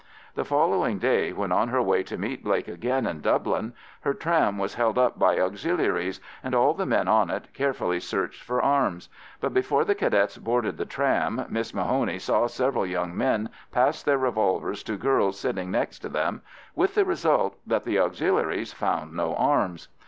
The following day, when on her way to meet Blake again in Dublin, her tram was held up by Auxiliaries, and all the men on it carefully searched for arms; but before the Cadets boarded the tram, Miss Mahoney saw several young men pass their revolvers to girls sitting next to them, with the result that the Auxiliaries found no arms.